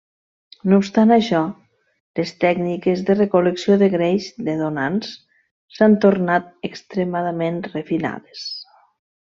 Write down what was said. No obstant això, les tècniques de recol·lecció de greix de donants s'han tornat extremadament refinades.